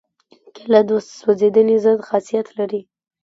کېله د سوځېدنې ضد خاصیت لري.